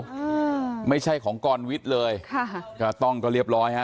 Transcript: อืมไม่ใช่ของกรวิทย์เลยค่ะก็ต้องก็เรียบร้อยฮะ